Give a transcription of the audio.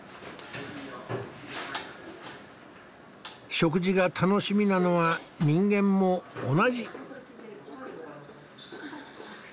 食事が楽しみなのは人間も同じ。